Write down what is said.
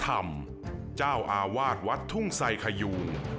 ธรรมเจ้าอาวาสวัดทุ่งไซคยูน